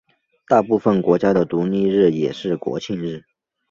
大部分国家的独立日也是国庆日。